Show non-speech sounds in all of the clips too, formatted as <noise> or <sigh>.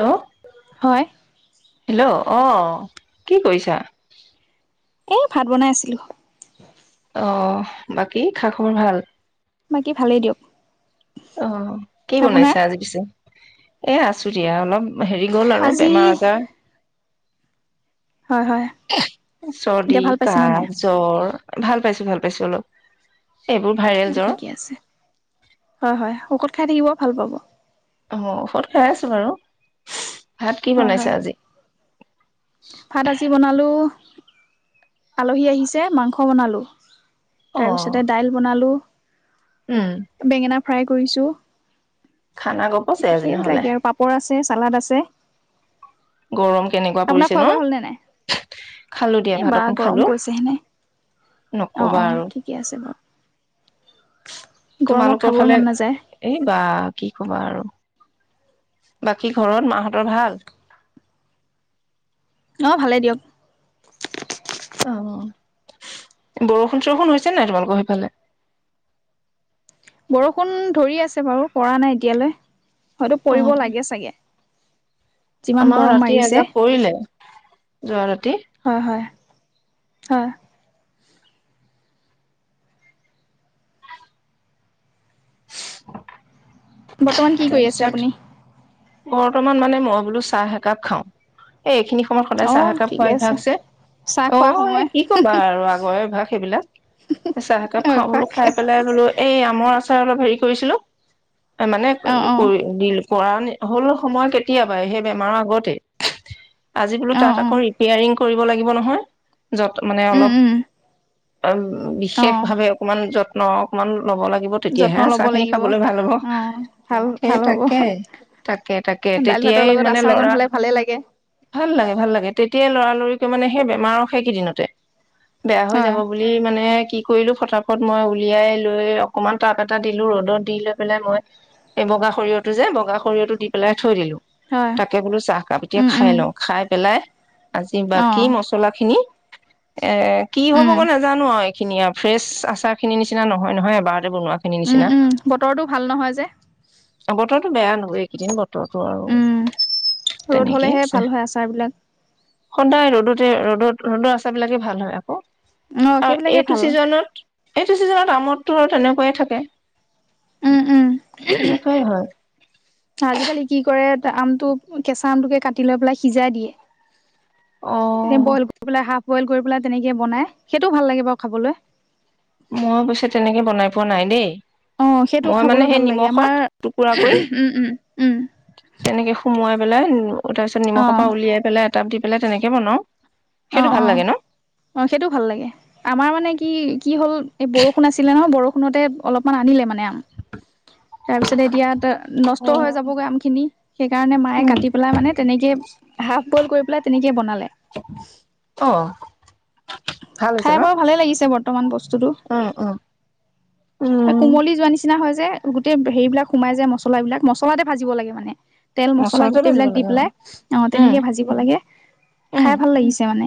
Hello হয়। Hello অ', কি কৰিছা? এই ভাত বনাই আছিলো। অ', বাকী খা-খবৰ ভাল? বাকী ভালেই দিয়ক। অ', কি আপোনাৰ বনাইছা আজি পিছে? এ আছো দিয়া, অলপ হেৰি গ'ল আৰু আজি বেমাৰ আজাৰ। হয় হয় চৰ্দি এতিয়া ভাল পাইছেনে কাহ নাই জ্বৰ ভাল পাইছো ভাল পাইছো অলপ এইবোৰ ভাইৰেল অ' জ্বৰ। ঠিকে আছে হয় হয় খাই থাকিব ভাল পাব। অ' ঔষধ খাই আছো বাৰু ভাত কি হয় বনাইছা হয় আজি ভাত আজি বনালো। আলহী আহিছে মাংস বনালো। তাৰ পিছতে অ' দাইল বনালো। উম। বেঙেনা ফ্ৰাই কৰিছোঁ খানা গপছে আজি নহলে। চালাদ আছে গৰম কেনেকুৱা আপোনাৰ পৰিছে খোৱা ন বোৱা হ'লনে নাই খালো দিয়া এই বা ভাত অক গৰম পৰিছেহেনে। অ', নকবা অ' আৰু ঠিকে আছে বাৰু। গৰমত তোমালোকৰ খাবই ফালে মন নাযায়। এই বা কি কবা আৰু বাকী ঘৰত মাহঁতৰ ভাল। অ' ভালেই দিয়ক। অ বৰষুণ চৰষুণ হৈছে নাই তোমালোকৰ সেইফালে। বৰষুণ ধৰি আছে বাৰু পৰা নাই এতিয়ালৈ। হয়তো অ পৰিব লাগে চাগে। যিমান আমাৰ গৰম ৰাতি মাৰিছে। এজাক পৰিলে, যোৱা ৰাতি। হয় হয় হয়। বৰ্তমান কি কৰি আছে তাৰপিছত আপুনি? বৰ্তমান মানে মই বোলো চাহ একাপ খাওঁ, এই এইখিনি <unintelligible> সদায় চাহ অ' একাপ খোৱাৰ ঠিকে আছে অভ্যাস যে, চাহ অ', খোৱা এই সময় কি ক'বা আৰু আগৰ অভ্যাস সেইবিলাক। চাহ একাপ খাও বোলো, খাই অভ্যাস পেলাই বোলো এই আমৰ আচ <unintelligible> হেৰি কৰিছিলো, <unintelligible> অ' <unintelligible> অ' কৰি দিল কৰা নে হ'ল ন সময় কেতিয়াবাই, সেই বেমাৰৰ আগতে। আজি বোলো অ' তাত আক অ' ৰিপেয়াৰিং কৰিব লাগিব নহয়। যত মানে উম অলপ উম উম, বিশেষ অ' ভাৱে অকমান যত ন অকমান ল'ব লাগিব, যত্ন তেতিয়াহে ল'ব আচাৰ খিনি লাগিব খাবলৈ ভাল হ'ব। অ' ভাল সেই ভাল হ'ব তাকে, তাকে তাকে, দাইল ভাতৰ তেতিয়াই লগত মানে আচাৰকণ লৰা, হ'লে ভালেই লাগে ভাল লাগে, ভাল লাগে, তেতিয়াই লৰালৰি মানে সেই বেমাৰৰ সেইকেইদিনতে বেয়া হৈ হয় যাব বুলি মানে কি কৰিলো ফটাফট মই উলিয়াই লৈ অকনমান টাক এটা দিলো ৰ'দত দি লৈ পেলাই মই এই বগা সৰিয়হটো যে বগা সৰিয়হটো দি পেলাই থৈ দিলো। হয় তাকে বোলো চাহকাপ এতিয়া উম উম খাই লওঁ খাই পেলাই। আজি বাকী অ' মচলা খিনি এ কি হব উম গৈ নাজানো আৰু? খিনি ফ্ৰেচ আচাৰ খিনি নিচিনা নহয় নহয় এবাৰ উম উম বতৰটো ভাল নহয় যে। অ বতৰো বেয়া নহয় এইকেইদিন বতৰ বতৰটো উম আৰু ৰ'দ তেনেকেই হ'লেহে আছে। ভাল হয় আচাৰবিলাক সদায় ৰ'দত ৰ'দত ৰ'দৰ আচাৰ বিলাকে ভাল হয় আকৌ। অ' আৰু সেইবিলাকে এইটো ভাল ছিজনত চিজনত আমৰতটো আৰু তেনেকুৱাই থাকে। উম উম। তেনেকাই হয়। আজিকালি কি কৰে আমটো কেঁচা আমটোকে কাটি লৈ পেলাই সিজাই দিয়ে। অ এ বইল কৰি পেলাই হাফ বইল কৰি পেলাই তেনেকে বনাই সেইটো ভাল লাগে বাৰু খাবলৈ। মই অৱশ্যে তেনেকে বনাই পোৱা নাই দেই। অ সেইটো মই মানে খাবলৈ সেই ভাল লাগে নিমখত আমাৰ টুকুৰা কৰি উম উম উম। তেনেকে সুমুৱাই পেলাই। তাৰ পিছ অ নিমখৰ পৰা উলিয়াই পেলাই। কাটি পেলাই তেনেকে বনাও। অ সেইটো ভাল অ লাগে ন অ সেইটো ভাল লাগে আমাৰ মানে কি? কি হ'ল এই বৰষুণ আছিলে নহয় বৰষু ষুণতে অলপমান আনিলে মানে আম। তাৰপিছতে এতিয়া নষ্ট হৈ যাব উম গৈ আম খিনি সেই কাৰণে মায়ে কাটি পেলাই মানে তেনেকে হাফ বইল কৰি পেলাই তেনেকে বনালে। অ। ভাল হৈছে খাই ন বাৰু ভালে লাগিছে বৰ্ত- মান বস। বস্তু টো উম উম এই উম কুমলি যোৱা নিচিনা হয় যে। গোটেই হেৰিবিলাক সোমাই যায় মছলা এই বিলাক মছলাতে ভাজিব লাগে মানে। তেল মছলা মচলাতে ভাজিব গোটেইবিলাক দি লাগে আৰু পেলাই আহ উম তেনেকে ভাজিব লাগে উম খাই ভাল লাগিছে মানে।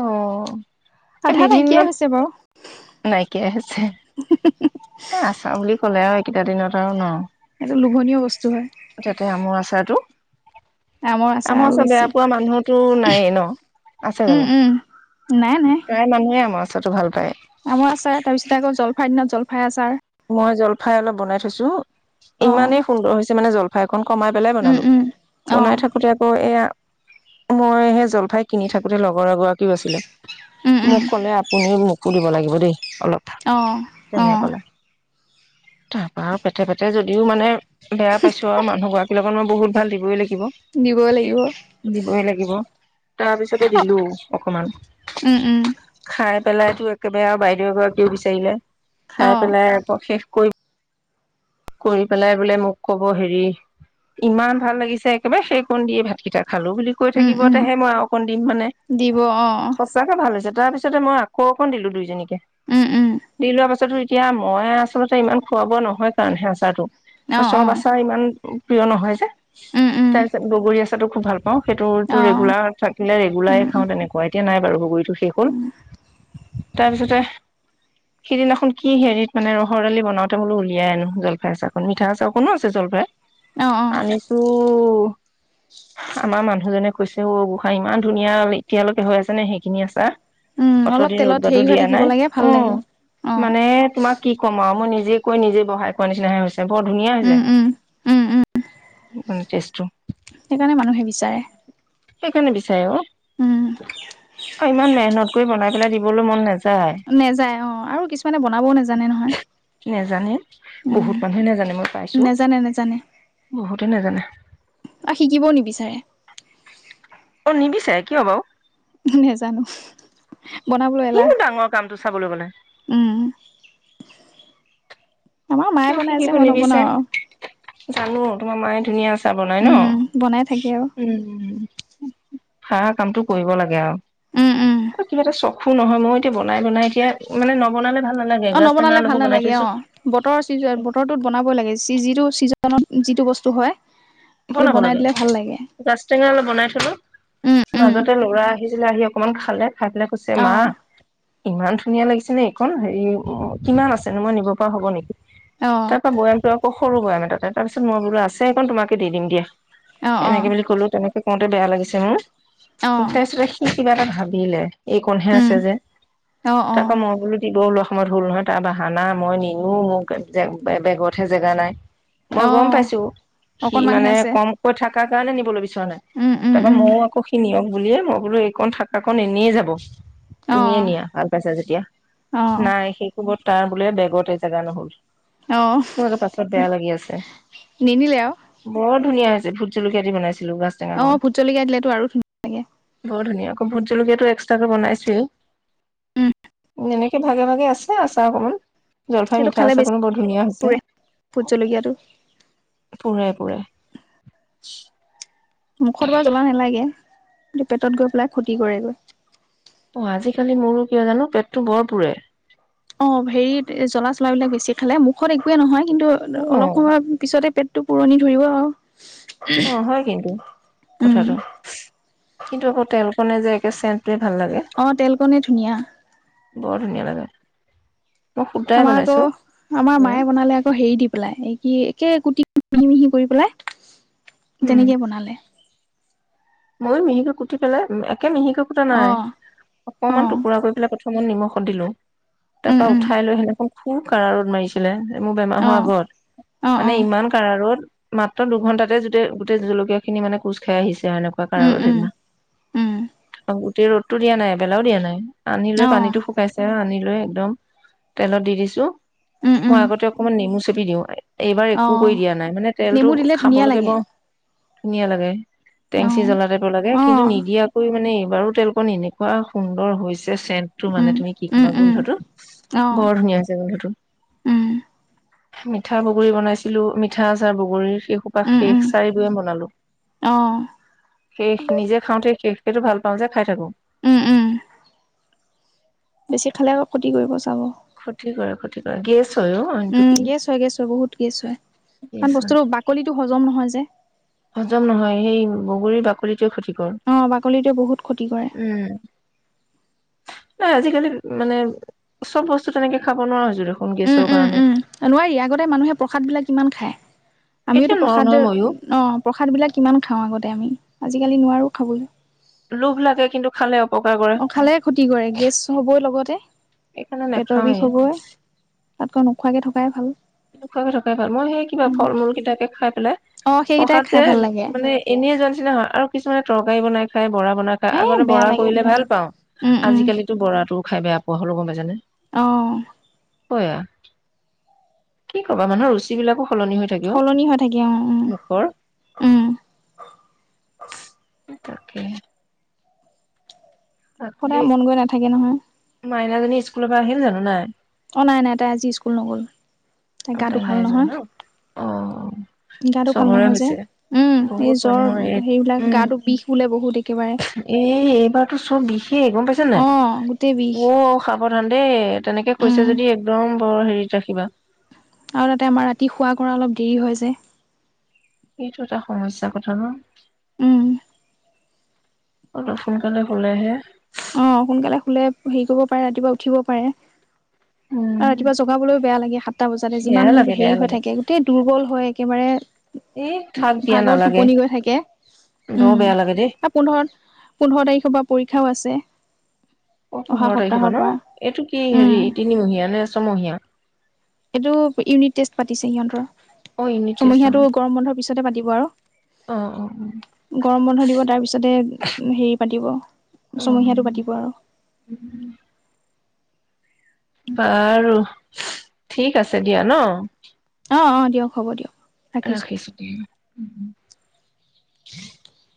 অ' আধা বিভিন্ন, নাইকিয়াই হৈছে বাৰু নাইকিয়াই হৈছে। <inaudible> আছা বুলি কলে আৰু এইকেইটা দিনত আৰু ন এইটো লোভনীয় বস্তু হয়। তাতে আমৰ আচাৰটো আচাৰ আমৰ আৰু আচাৰতো বেছি। বেয়া পোৱা মানুহতো নায়েই ন আছে উম, জানো উম, নাই নাই প্ৰায় মানুহে আমৰ আচাৰতো আচাৰচো ভাল পায় আমৰ আচাৰ তাৰপিছতে আকৌ জলফাইৰ জলফাই আচাৰ মই জলফাই অলপ বনাই থৈছো অ' ইমানেই সুন্দৰ হৈছে মানে জলফাই কমাই পেলাই উম, বনালো উম, বনাই অ' থাকোতে আকৌ এয়া মই সেই জলফাই কিনি থাকোতে লগৰ এগৰাকীও আছিলে উম, উম, মোক ক'লে আপুনিও মোক, মোকো দিব লাগিব দেই অলপ অ' অ' তেনেকে কলে তাৰপৰা আৰু পেথে পেথে যদিও মানে বেয়া পাইছো আৰু মানুহ গৰাক এইলাক মইহুত ভ দিবইাগে দিবই লাগিব অ' দিবই লাগিব, তাৰপিছতে দিলো অকমান উম, উম, খাই। পেলাইতো একেবাৰে আৰু বাইদেউ এগৰাকীয়েও বিচাৰিলে খাই অ' পেলাই <inaudible> কৰি পেলাই বোলে মোক কব হেৰি, ইমান ভাল লাগিছে একেবাৰে সেই কণ দিয়ে ভাতকেইটা খালো বুলি কৈ উম, থাকিব, উম, তেহে মই আৰু অকণ দিম মানে। দিব অ' সঁচাকে ভাল হৈছে তাৰপিছতে মই আকৌ অকণ দিলো দুইজনীক উম, উম, দি লোৱা পাছতো এতিয়া মই আচলতে ইমান খোৱা বোৱা নহয় কাৰণ সেই আচাৰতো অ' বছৰ অ' বছৰ ইমান, মোৰ প্ৰিয় নহয় যে উম, উম। তাৰপিছত বগৰী আছে, সেইটো খুব ভাল পাওঁ। সেইটো তো অ', ৰেগুলাৰ থাকিলে ৰেগুলাৰে খাওঁ উম, তেনেকুৱা এতিয়া নাই বাৰু বগৰী। শেষ হল। তাৰপিছতে সিদিনাখন কি হেৰিত মানে ৰহৰ দালি বনাওতে বোলো উলিয়াই আনো। জলফাই আচাৰকণ মিঠা আচাৰকণো আছে জলফাই অ', অ', আমিতো আমাৰ মানুহজনে কৈছে অ' গোসাঁই ইমান ধুনীয়া এতিয়ালৈকে হৈ আছেনে সেইখিনি আচাৰ। উম, কত অলপ দিন তেলত ৰ'দবাতো হেৰি হৈ দিয়া থাকিব নাই, লাগে ভাল অ', লাগে। অ', মানে তোমাক কি ক'ম আৰু মই নিজ <unintelligible> নিজে বহাই। <unintelligible> নিচিনাহে হৈছ ছে, বৰ ধুনীয়া উম, হৈছে৷ উম, উম, উম, টেষ্টটো৷ সেইকাৰণে মানুহে বিচাৰে৷ সেইকাৰণে বিচাৰে অ৷ উম, অ ইমান মেহনত কৰি বনাই পেলাই দিবলৈ মন নাযায়৷ নেযায় অ আৰু কিছুমানে বনাবও নেজানে নহয়৷ নেজানে উম, বহুত মানুহে নাজানে মই পাইছো নেজানে নেজানে। বহুতেই নাজানে। আৰু শিকিবও নিবিচাৰে। অ নিবিছাৰে কিয় বাৰু নেজানো৷ বনাবলৈ এলাহ কিনো ডাঙৰ কামটো চাবলৈ গলে? উম, আমাৰ মায়ে কিয় বনাই শিকিব যে মই নিবিচাৰে নবনাও আৰু জানো তোমাৰ মায়ে ধুনীয়া ছে বনাই ন উম, বনাই থাকে আৰু উম৷ হাহা কামটো কৰিব লাগে আৰু উম, উম, আৰু কিবা এটা চক খু নহয় মই এতিয়া বনাই বনাই এতিয়া মানে নবনালে ভাল নালাগে অ গাজ টেঙা নবনালে ভাল অলপো বনাই নালাগে থৈছো অ বতৰ চ বতৰটোত বনাব লাগে৷ চি যিটো ছিজনত যিটো বস্তু হয়, সেইটো বনাব বনাই লাগে, দিলে ভাল লাগে গাছ টেঙা অলপ বনাই থলো, উম, উম। মাজতে লৰাই আহিছিলে, আহি অকণমান খালে৷ খাই পেলাই কৈছে মা, অ', ইমান ধু ধুনীয়া লাগিছে নে এইকণ, হেৰি অ, কিমান আছেনো? মই নিব পৰা হ'ব নেকি? অ', তাৰ পৰা বৈয়ামটো আকৌ সৰু বৈয়াম এটাতে তাৰপিছত মই বোলো আছ ছে এই কণ তোমাক দি দিম দিয়া অ', ৷ এনেকে অ', বুলি কলো এনেকে কওঁতে বেয়া লাগিছে মোৰ অ', <unintelligible> কিবা এটা ভাবিলে এই কণহে আছে উম, যে অ', তাপা অ', মই বোলো দিবৌ লোৱা অসমত হল নহয় তাৰ হানা মই নিনো মোক বেগতহে জেগা নাই। মই গম অ', পাইছো। সি অকনমানহে মানে আছে কমকৈ থাক। কাৰণে নিব লচ নাই উম, উম, তাৰপ উম, মই আকৌ সি নিয়ম। বুলিয়ে মই বোলো এইকন থাকাকন এনেিয়ে যাব। তুমিয়ে অ', নিয়া ভাল পাইছা যেতিয়া অ', নাই সেই খবত। তাৰ বোলে বেগতে জেগা নহ'ল। আহ মোৰ একে পাছত বেয়া লাগি আছে নিনিলে আৰু। বৰ ধুনীয়া হৈছে ভট জলকীয়া দি বনাইছে। অ ভোট জলকাই দিলেতো আৰু ধুনীয়া লাগে। বৰ ধুনীয়া আকৌ ভোট জলকীয়াাতটো এক্সট্ৰাকে বনাইছোৱেই। উম। এনেকে ভাগে ভাগে আছে আছা অকণমান। সেইটো খালে বেছি পৰে ভোট জলকীয়াটো। পুৰে পুৰে মুখত বাৰু জ্বলা নালাগে পেটত গৈ পেলাই ক্ষতি কৰেগৈ। অ আজিকালি মোৰো কিয় জানো পেটটো বৰ পুৰে। অ হেৰিত জ্বলা চলাবিলাক বেছি খালে মুখত একোৱে নহয়। কিন্তু অ অলপ সময় পিছতে পেট টো পুৰণি ধৰিব অ। অ হয় কিন্তু উম, কথাটো কিন্তু আকৌ তেল সেনে যে একেই চেন অ তেল কণে ধুনীয়া। বৰ ধুনীয়া লাগে। মই সুদাই আমাৰ আকৌ বনাইছো আমাৰ মেম, মায়ে বনালে আকৌ হেৰি দি পেলাই এই কি একে কুটি মিহি মিহি কৰি পেলাই। উম তেনেকে বনালে ময়ো মিহিকৈ কুটি পেলাই একে মিহিকৈ কুটা অ নাই অ অকনমান টুকুৰা কৰি পেলাই। সমন নিমখত দিলো। তা উম পা উম উঠাই লৈ সেনেকে সুৰ কাৰা ৰ'দ মাৰিছিলে। মোৰ বেমাৰ অ হোৱাৰ আগত অ মানে অ ইমান কাৰা ৰ'দ মাত্ৰ দুঘন্টাতে যোতে গোটেই জলকীয়া খিনি মানে কোজ খাই আহিছে আৰু মানে, <unintelligible> ত উম উম উম ৰতটো দিয়া নাই এবেলাও দিয়া নাই। আনিলে অ পানীটো শুকাইছে আনি, লৈ একদম তেলত দি দিছো। উম মই উম আগতে অকমান নেমুচ চেপি দিও, এইবাৰ অ একো কৰি দিয়া নাই মানে তেলতটো নেমু দিলে ধুনীয়া খাবলাগিব। লাগে ধুনীয়া লাগে। অ টেংসি জ্বলা টাইপৰ লাগে অ কিন্তু নিদিয়াকৈ মানে, বাৰো তেলক এনেকুৱা সুন্দৰ হৈছে। চেটটো উম মানে তুমি কি উম কবা উম গোন্ধটো অ বৰ ধুনীয়া হৈছে গোন্ধটো। উম মিঠা বগৰী বনাইছিলো মিঠা আচাৰ বগৰীৰ। কসোপা উম শেষ উম চাৰদে বনালোঁ। অ শেষ নিজে খাওঁতেই শেষকেতো ভাল পাওঁ যে খাই থাকো। উম উম, বেছি খালে আকৌ কতি কৰিব চাব। ক্ষতি কৰে ক্ষতি কৰে গেছ। হয় অ অইনটো উম কি গেছ হয় গেছ হয় বহুত গেছ হয়। কাৰণ গেছ হয় বস্তুটো বাকলিিতটো হজম নহয়। সহ যে। হজম নহয় সেই বগৰী বাকৰিত। আহ বাকলিটোৱে বহুত ক্ষতি কৰে। উম নাই আজিকালি মানে চব বস্তু তেনেকে খাব নোৱাৰা হৈছোঁ। উম উম উম নোৱাৰি আগতে মানুহে প্ৰসাদবিলাক কিমান খায়। এতিয়া আমিওতো নোৱাৰো প্ৰসাদ নহয় মইয়ো অ প্ৰসাদবিলাক কিমান খাওঁ আগতে আমি। আজিকালি নোৱাৰোঁ খাবলৈ। লোভ লাগে কিন্তু খালে। অপকাৰ কৰে অ খালে ক্ষতি কৰে গেছ হ'বই লগতে সেইকাৰণে পেটৰ নাখাওৱে। বিষ হ'বই। তাতকৈ নোখোৱাকে থকাই ভাল। নোখোৱাকে থকাই ভাল মই সেই কিবা উম, ফল মূল কেইটাকে খাই অ সেইকেইটাই প্ৰসাদ যে খাই ভাল লাগে মানে এনেে যোৱাোৱাৰ নিচিনা হয় আৰু কিছুমানে তৰ। তৰকাৰী বনাই খাই বৰা বনাই খাই এ আগতে বেয়া বৰা লাগে কৰিলে খাই ভাল পাওঁ উম উম আজিকালিতো বৰাতো খাই বেয়া পোৱা হ'লো‌ গম পাইছানে? অ', <unintelligible> কি ক'বা মানুহৰ ৰুচি বিলাকো সলনি হৈ থাকে অ। সলনি হৈ থাকে অ', -অ', মুখৰ উম। তাকেই সদায় মন গৈ নাথাকে নহয় মাইনাজনী স্কুলৰ পৰা আহিল জানো নাই। অ', নাই নাই তাই আজি স্কুল নগ'ল। তাইৰ অ গাটো তাই ভাল নাই যোৱা নহয়, ন অ। গাটো ভাল চবৰে নহয় যে, হৈছে উম এই বহুত জ্বৰ মানুহৰ হেৰিলাক গাটো বিষ বোলে বহুত একেবাৰে এহ এইবাৰতো চব বিষে গম পাইছে নাই। অ', গোটেই বিষ অ', সাবধান দে। তেনেকে উম, কৈছে যদি একদম অ', হেৰিত ৰাখিবা আৰু তাতে আমাৰ ৰাতি শুৱা কৰা অলপ দেৰি হয় যে। এইটো এটা সমস্যা কথা ন উম। অলপ সোনকালে হলেহে। অ', সোনকালে শুলে হেৰি কৰিব পাৰে ৰাতিপুৱা উঠিব পাৰে। আৰু উম, ৰাতিপুৱা জগাবলৈও বেয়া লাগে, সাতটা বজাতে বেয়া যিমান লাগে হেৰি বেয়া হৈ লাগে থাকে, গোটেই দুৰ্বল হয় একেবাৰে এই থাক দিয়া ভাগৰত নালাগে টোপনি গৈ থাকে, বৰ উম বেয়া লাগে দেই। আৰু পোন্ধৰ পোন্ধৰ তাৰিখৰ পৰা পৰীক্ষাও আছে। অ', অহা পোন্ধৰ তাৰিখৰ সপ্তাহৰ পৰা ন' এইটো কি উম। হেৰি তিনিমহীয়া নে ছমহীয়া? তিছ, পাতিছে সিহঁতৰ। অ, ইউনিট টেষ্ট ছমহীয়াটো অ, গৰম বন্ধৰ পিছত তাতে পাতিব অ, আৰু গৰম বন্ধ দিব তাৰপিছতে, হেৰি পাতিব। অ, অ, ছমহীয়াটো পাতিব আৰু বাৰু, ঠিক আছে দিয়া ন'? অ', -অ', দিয়ক হ'ব দিয়ক। ৰাখিছোঁ দিয়া <unintelligible> <inaudible>